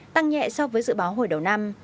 tăng nhẹ so với dự báo hồi đầu năm